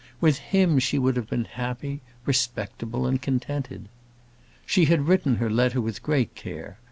With him she would have been happy, respectable, and contented. She had written her letter with great care.